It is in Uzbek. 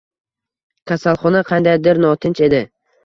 Kasalxona qandaydir notinch edi